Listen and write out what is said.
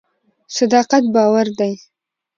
صداقت باور دی.